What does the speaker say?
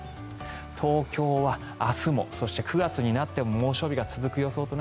東京は明日もそして９月になっても猛暑日が続く予想。